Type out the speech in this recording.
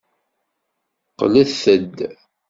Qqlet-d.